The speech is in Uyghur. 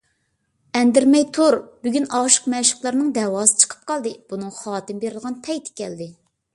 ئەندىرىمەي تۇر! بۈگۈن ئاشىق - مەشۇقلارنىڭ دەۋاسى چىقىپ قالدى، بۇنىڭغا خاتىمە بېرىدىغان پەيتى كەلدى.